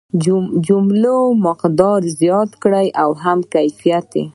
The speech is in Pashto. جملو هم مقدار زیات کړ هم کیفیت.